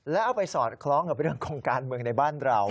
แล้วเอาไปสอดคล้องกับเรื่องของการเมืองในบ้านเรา